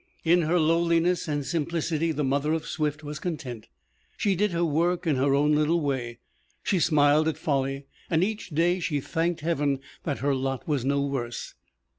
In her lowliness and simplicity the mother of Swift was content. She did her work in her own little way. She smiled at folly, and each day she thanked Heaven that her lot was no worse.